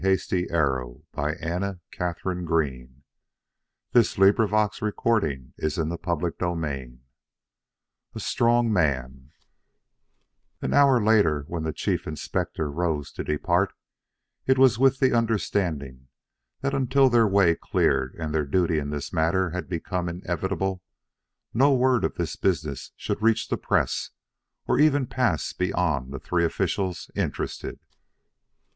Have you any further questions to ask or shall I leave you to your deliberations?" XXIX A STRONG MAN An hour later when the Chief Inspector rose to depart, it was with the understanding that until their way cleared and their duty in this matter had become inevitable, no word of this business should reach the press, or even pass beyond the three officials interested.